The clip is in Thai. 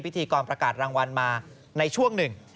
พิธีกรประกาศรางวัลมาในช่วงหนึ่ง